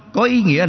có ý nghĩa lịch sử